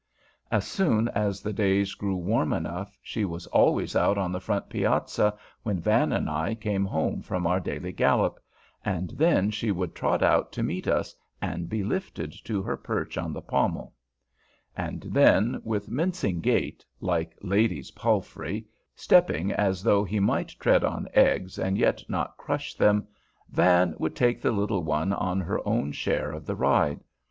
As soon as the days grew warm enough, she was always out on the front piazza when Van and I came home from our daily gallop, and then she would trot out to meet us and be lifted to her perch on the pommel; and then, with mincing gait, like lady's palfrey, stepping as though he might tread on eggs and yet not crush them, Van would take the little one on her own share of the ride.